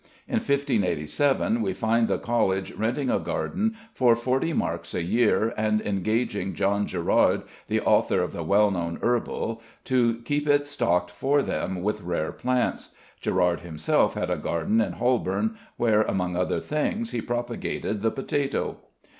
In 1587, we find the College renting a garden for forty marks a year, and engaging John Gerard, the author of the well known "Herbal," to keep it stocked for them with rare plants. Gerard himself had a garden in Holborn, where among other things he propagated the potato.